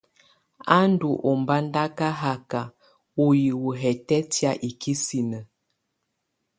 Á ndù ɔmbadaka haka ù hiwǝ hɛtɛtɛ̀á ikisinǝ.